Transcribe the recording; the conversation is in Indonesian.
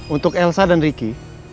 untuk elsa dan ricky